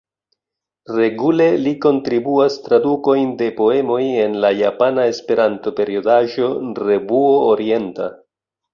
Regule li kontribuas tradukojn de poemoj en la japana Esperanto-periodaĵo Revuo Orienta.